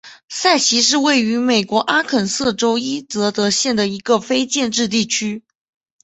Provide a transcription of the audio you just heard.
塞奇是位于美国阿肯色州伊泽德县的一个非建制地区。